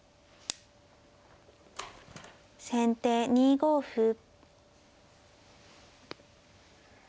先手２五歩。